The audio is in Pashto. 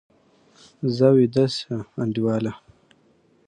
ځه، ویده شه انډیواله!